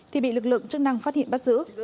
thì bị lực lượng chức năng phát hiện bắt giữ